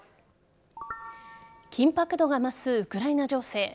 緊迫度が増す、ウクライナ情勢。